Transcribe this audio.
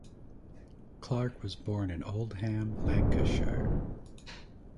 Clarke was born in Oldham, Lancashire.